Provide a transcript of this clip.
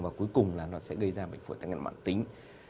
và cuối cùng nó sẽ gây ra bệnh phổi tắc nghén mạng tính